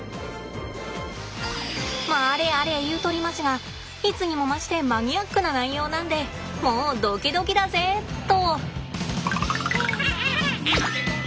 まああれあれ言うとりますがいつにも増してマニアックな内容なんでもうドキドキだぜっと。